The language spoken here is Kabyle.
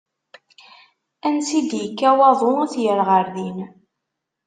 Ansi i d ikka waḍu, ad t-yerr ɣer din.